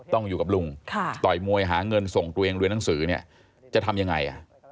ต้องอยู่กับลุงต่อยมวยหาเงินส่งตัวเองเรียนหนังสือเนี่ยจะทำยังไง